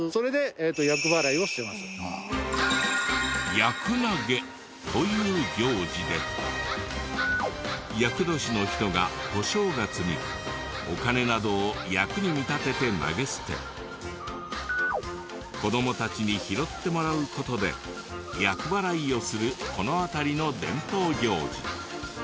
厄投げという行事で厄年の人が小正月にお金などを厄に見立てて投げ捨て子どもたちに拾ってもらう事で厄払いをするこの辺りの伝統行事。